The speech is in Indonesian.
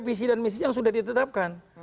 visi dan misi yang sudah ditetapkan